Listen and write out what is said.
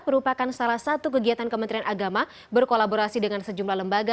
merupakan salah satu kegiatan kementerian agama berkolaborasi dengan sejumlah lembaga